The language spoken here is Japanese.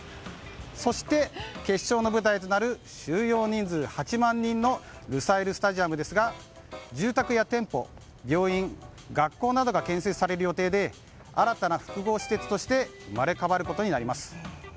そして決勝の舞台となる収容人数８万人のルサイルスタジアムですが住宅や店舗、病院学校などが建設される予定で新たな複合施設として生まれ変わることになります。